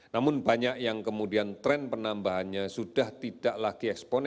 namun banyak yang kemudian tren penambahannya sudah tidak lagi ekspon